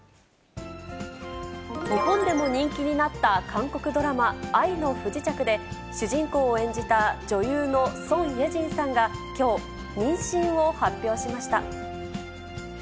日本でも人気になった韓国ドラマ、愛の不時着で、主人公を演じた女優のソン・イェジンさんがきょう、妊娠を発表しました。